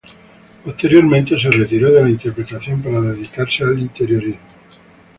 Posteriormente se retiró de la interpretación para dedicarse al interiorismo.